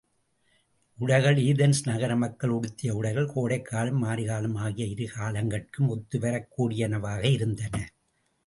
உடைகள் ஏதென்ஸ் நகர மக்கள் உடுத்திய உடைகள் கோடைக்காலம், மாரிக்காலம் ஆகிய இருகாலங்கட்கும் ஒத்துவரக் கூடியனவாக இருந்தன.